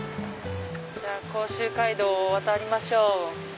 じゃあ甲州街道を渡りましょう。